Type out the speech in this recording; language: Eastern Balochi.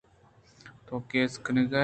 تو کیس کنگ ءَ اَتے